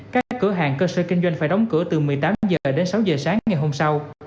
các cửa hàng cơ sở kinh doanh phải đóng cửa từ một mươi tám h đến sáu h sáng ngày hôm sau